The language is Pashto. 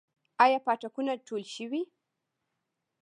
آیا پاټکونه ټول شوي؟